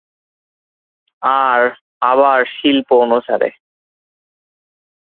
আর, আবার, শিল্প অনুসারে।